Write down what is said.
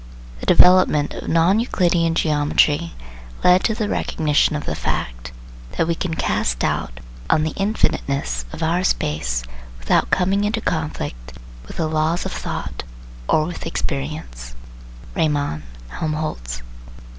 The development of non Euclidean geometry led to the recognition of the fact, that we can cast doubt on the infiniteness of our space without coming into conflict with the laws of thought or with experience (Riemann, Helmholtz).